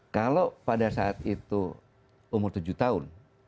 kalau pada saat itu umur tujuh tahun